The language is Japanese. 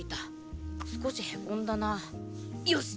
少しへこんだなよし！